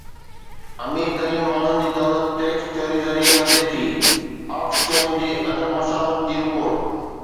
امير ترين ماڻهن جي دولت ٽيڪس چوري ذريعي وڌي ٿي، آڪسفيم جي عدم مساوات جي رپورٽ